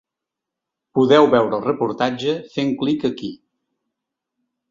Podeu veure el reportatge, fent clic aquí.